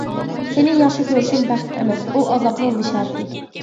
سېنى ياخشى كۆرۈشۈم بەخت ئەمەس، ئۇ ئازابنىڭ بېشارىتى.